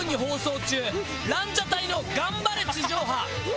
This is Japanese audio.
『ランジャタイのがんばれ地上波！』。